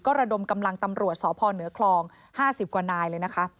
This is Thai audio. ระดมกำลังตำรวจสพเหนือคลอง๕๐กว่านายเลยนะคะ